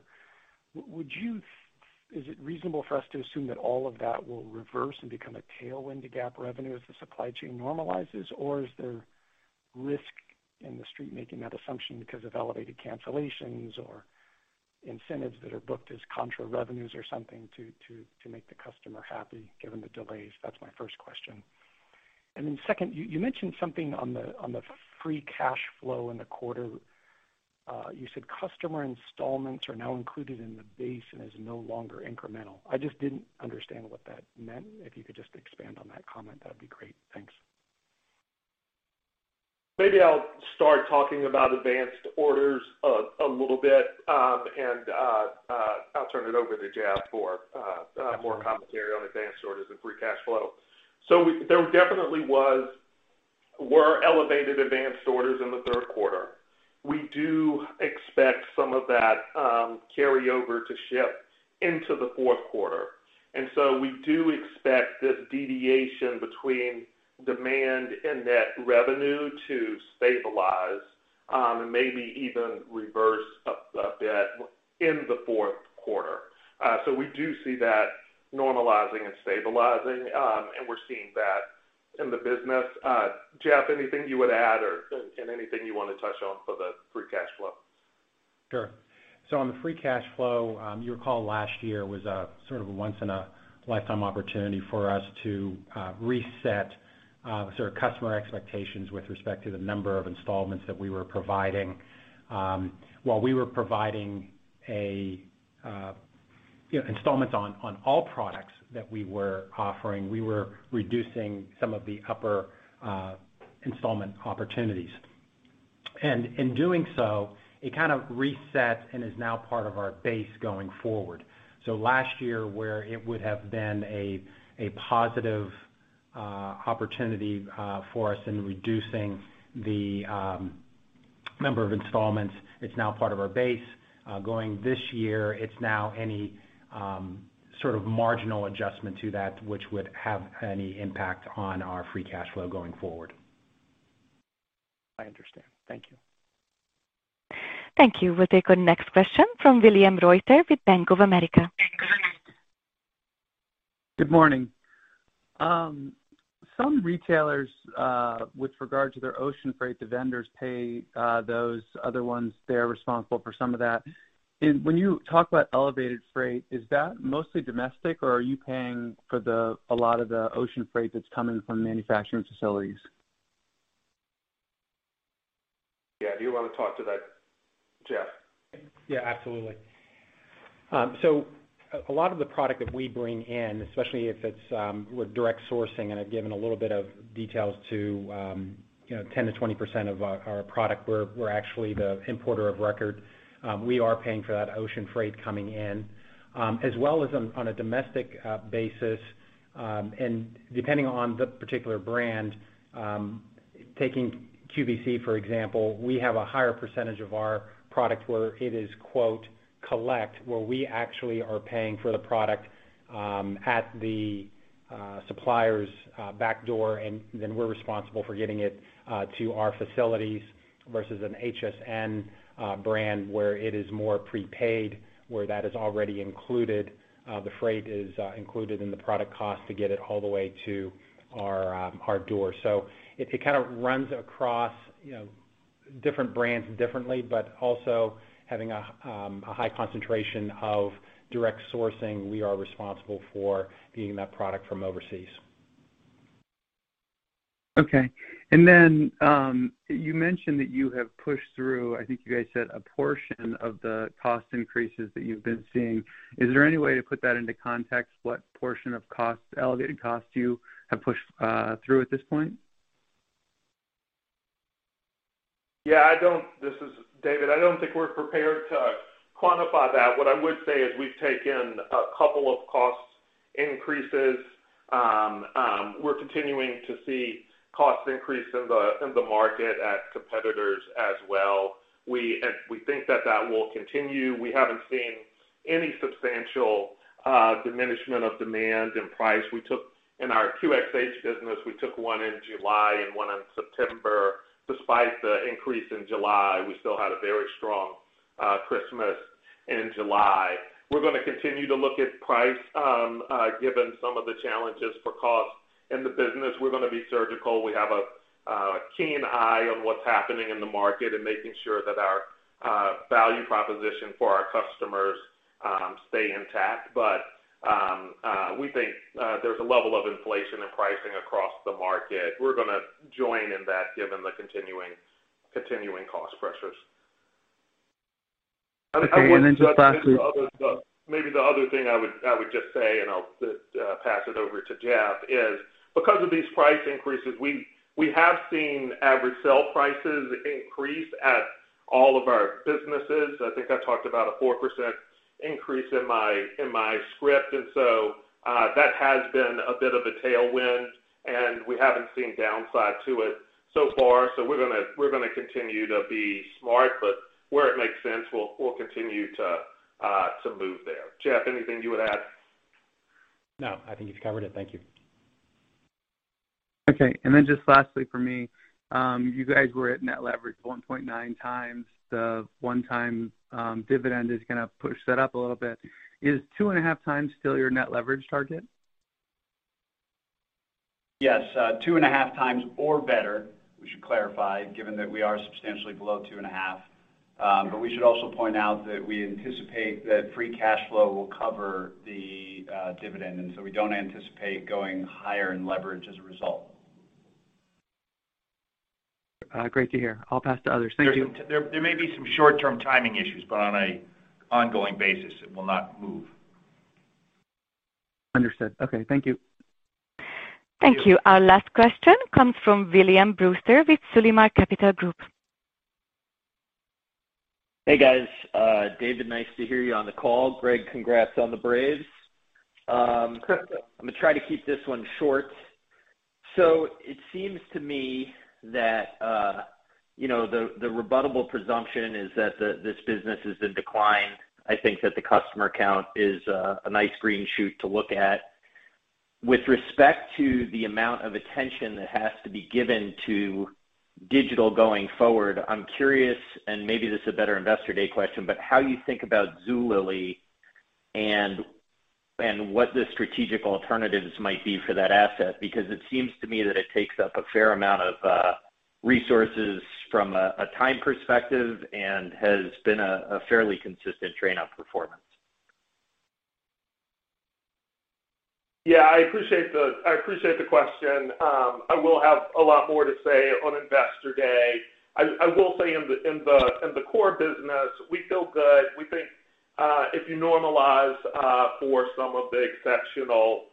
Speaker 10: Is it reasonable for us to assume that all of that will reverse and become a tailwind to GAAP revenue as the supply chain normalizes? Or is there risk in the street making that assumption because of elevated cancellations or incentives that are booked as contra revenues or something to make the customer happy given the delays? That's my first question. Second, you mentioned something on the free cash flow in the quarter. You said customer installments are now included in the base and is no longer incremental. I just didn't understand what that meant. If you could just expand on that comment, that'd be great. Thanks.
Speaker 5: Maybe I'll start talking about advanced orders a little bit, and I'll turn it over to Jeff for more commentary on advanced orders and free cash flow. There definitely were elevated advanced orders in Q3. We do expect some of that carry over to ship into the fourth quarter. We do expect this deviation between demand and net revenue to stabilize, and maybe even reverse a bit in Q4. We do see that normalizing and stabilizing, and we're seeing that in the business. Jeff, anything you would add and anything you wanna touch on for the free cash flow?
Speaker 4: Sure. On the free cash flow, you recall last year was a sort of once in a lifetime opportunity for us to reset sort of customer expectations with respect to the number of installments that we were providing. While we were providing a, you know, installments on all products that we were offering, we were reducing some of the upper installment opportunities. In doing so, it kind of resets and is now part of our base going forward. Last year, where it would have been a positive opportunity for us in reducing the number of installments, it's now part of our base. Going this year, it's now any sort of marginal adjustment to that which would have any impact on our free cash flow going forward.
Speaker 10: I understand. Thank you.
Speaker 1: Thank you. We'll take our next question from William Reuter with Bank of America.
Speaker 11: Good morning. Some retailers, with regard to their ocean freight, the vendors pay, those other ones, they're responsible for some of that. When you talk about elevated freight, is that mostly domestic, or are you paying for a lot of the ocean freight that's coming from manufacturing facilities?
Speaker 5: Yeah. Do you wanna talk to that, Jeff?
Speaker 4: Yeah, absolutely. So a lot of the product that we bring in, especially if it's with direct sourcing, and I've given a little bit of details to, you know, 10%-20% of our product, we're actually the importer of record. We are paying for that ocean freight coming in, as well as on a domestic basis, and depending on the particular brand, taking QVC, for example, we have a higher percentage of our product where it is, quote, "collect," where we actually are paying for the product at the supplier's back door, and then we're responsible for getting it to our facilities versus an HSN brand, where it is more prepaid, where that is already included. The freight is included in the product cost to get it all the way to our door. It kind of runs across, you know, different brands differently, but also having a high concentration of direct sourcing, we are responsible for getting that product from overseas.
Speaker 11: Okay. You mentioned that you have pushed through, I think you guys said a portion of the cost increases that you've been seeing. Is there any way to put that into context, what portion of cost, elevated costs you have pushed through at this point?
Speaker 3: Yeah. This is David. I don't think we're prepared to quantify that. What I would say is we've taken a couple of cost increases. We're continuing to see cost increase in the market at competitors as well. We think that will continue. We haven't seen any substantial diminishment of demand and price. In our QxH business, we took one in July and one in September. Despite the increase in July, we still had a very strong Christmas in July. We're gonna continue to look at price given some of the challenges for cost in the business. We're gonna be surgical. We have a keen eye on what's happening in the market and making sure that our value proposition for our customers stay intact. We think there's a level of inflation and pricing across the market. We're gonna join in that given the continuing cost pressures.
Speaker 11: Okay. Just lastly.
Speaker 3: Maybe the other thing I would just say, and I'll just pass it over to Jeff, is because of these price increases, we have seen average sale prices increase at all of our businesses. I think I talked about a 4% increase in my script, and so that has been a bit of a tailwind, and we haven't seen downside to it so far. We're gonna continue to be smart, but where it makes sense, we'll continue to move there. Jeff, anything you would add?
Speaker 4: No, I think you've covered it. Thank you.
Speaker 11: Okay. Just lastly for me, you guys were at net leverage 1.9x. The one-time dividend is gonna push that up a little bit. Is 2.5x still your net leverage target?
Speaker 4: Yes, 2.5x or better, we should clarify, given that we are substantially below 2.5x. We should also point out that we anticipate that free cash flow will cover the dividend, and so we don't anticipate going higher in leverage as a result.
Speaker 11: Great to hear. I'll pass to others. Thank you.
Speaker 4: There may be some short-term timing issues, but on an ongoing basis, it will not move.
Speaker 11: Understood. Okay. Thank you.
Speaker 1: Thank you. Our last question comes from William Brewster with Sullimar Capital Group.
Speaker 12: Hey guys, David, nice to hear you on the call. Greg, congrats on the Braves. I'm gonna try to keep this one short. It seems to me that, you know, the rebuttable presumption is that this business is in decline. I think that the customer count is a nice green shoot to look at. With respect to the amount of attention that has to be given to digital going forward, I'm curious, and maybe this is a better Investor Day question, but how you think about Zulily and what the strategic alternatives might be for that asset. Because it seems to me that it takes up a fair amount of resources from a time perspective and has been a fairly consistent drain on performance.
Speaker 3: Yeah, I appreciate the question. I will have a lot more to say on Investor Day. I will say in the core business, we feel good. We think, if you normalize, for some of the exceptional,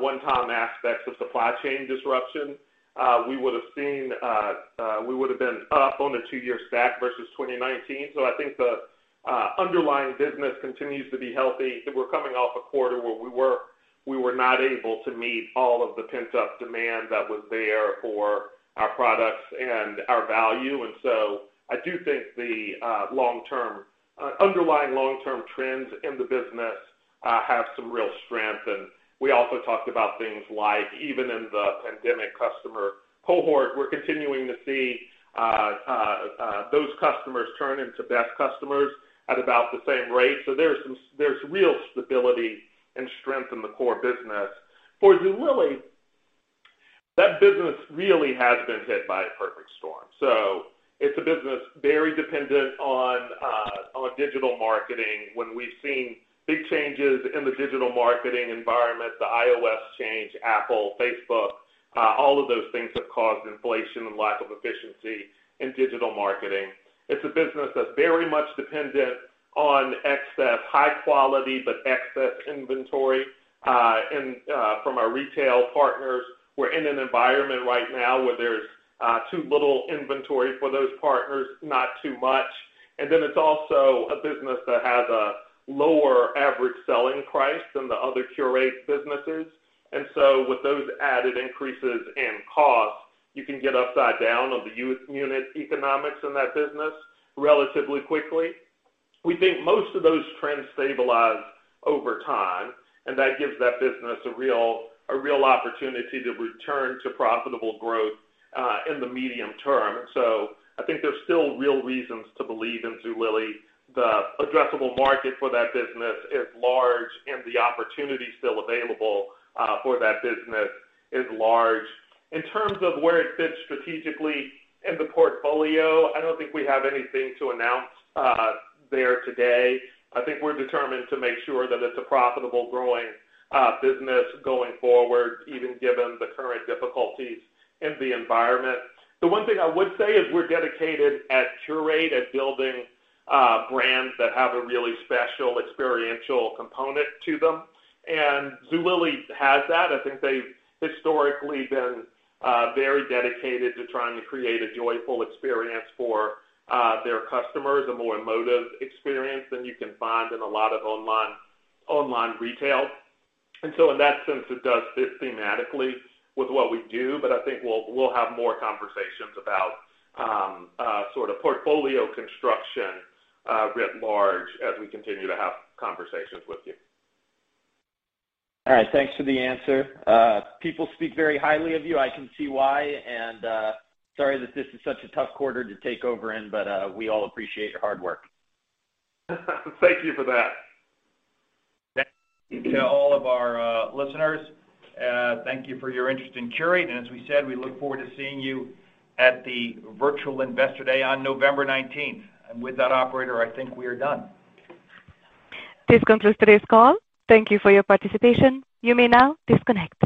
Speaker 3: one-time aspects of supply chain disruption, we would have been up on the two-year stack versus 2019. I think the underlying business continues to be healthy. We're coming off a quarter where we were not able to meet all of the pent-up demand that was there for our products and our value. I do think the long-term underlying long-term trends in the business have some real strength. We also talked about things like even in the pandemic customer cohort, we're continuing to see those customers turn into best customers at about the same rate. There's real stability and strength in the core business. For Zulily, that business really has been hit by a perfect storm. It's a business very dependent on digital marketing. When we've seen big changes in the digital marketing environment, the iOS change, Apple, Facebook, all of those things have caused inflation and lack of efficiency in digital marketing. It's a business that's very much dependent on excess high quality, but excess inventory, and from our retail partners. We're in an environment right now where there's too little inventory for those partners, not too much. It's also a business that has a lower average selling price than the other Qurate businesses. With those added increases in costs, you can get upside down on the unit economics in that business relatively quickly. We think most of those trends stabilize over time, and that gives that business a real opportunity to return to profitable growth in the medium term. I think there's still real reasons to believe in Zulily. The addressable market for that business is large, and the opportunity still available for that business is large. In terms of where it fits strategically in the portfolio, I don't think we have anything to announce there today. I think we're determined to make sure that it's a profitable growing business going forward, even given the current difficulties in the environment. The one thing I would say is we're dedicated at Qurate at building brands that have a really special experiential component to them, and Zulily has that. I think they've historically been very dedicated to trying to create a joyful experience for their customers, a more emotive experience than you can find in a lot of online retail. In that sense, it does fit thematically with what we do, but I think we'll have more conversations about sort of portfolio construction writ large as we continue to have conversations with you.
Speaker 12: All right. Thanks for the answer. People speak very highly of you, I can see why. Sorry that this is such a tough quarter to take over in, but we all appreciate your hard work.
Speaker 3: Thank you for that.
Speaker 2: Thank you to all of our listeners. Thank you for your interest in Qurate. As we said, we look forward to seeing you at the virtual Investor Day on November 19. With that, operator, I think we are done.
Speaker 1: This concludes today's call. Thank you for your participation. You may now disconnect.